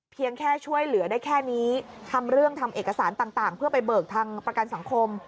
แค่ช่วยเหลือได้แค่นี้ทำเรื่องทำเอกสารต่างเพื่อไปเบิกทางประกันสังคม